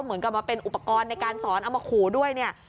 เหมือนกับเป็นอุปกรณ์ในการสอนเอามาขูด้วย